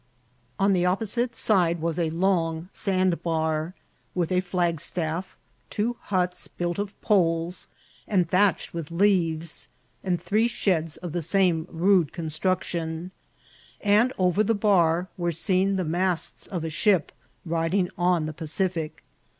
On the opposite side was a long sandbar, with a flagstaff, two huts built of poles and thatched with leaves, and three sheds of the same rude construction ; and over the bar were seen the masts of a ship, riding <m the Pacific.